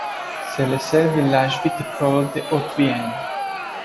C'est le seul village viticole de Haute-Vienne.